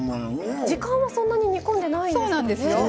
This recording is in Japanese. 時間は、そんなに煮込んでないんですよね。